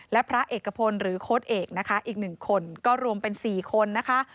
และพระเอกพลหรือโค้ดเอกนะคะอีก๑คนก็รวมเป็น๔คนนะคะ